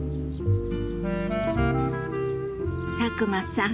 佐久間さん